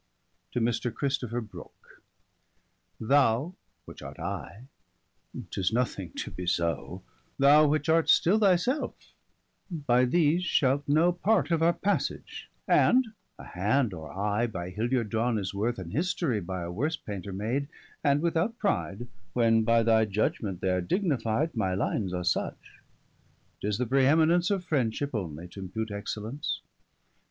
To Mr. Christopher Brooke. Thou which art I, ('tis nothing to be soe) Thou which art still thy selfe, by these shalt know Part of our passage; And, a hand, or eye By Hilliard drawne, is worth an history, By a worse painter made; and (without pride) 5 When by thy judgment they are dignifi'd, My lines are such: 'Tis the preheminence Of friendship onely to'impute excellence.